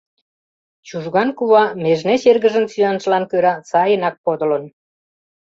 Чужган кува межнеч эргыжын сӱанжылан кӧра сайынак подылын.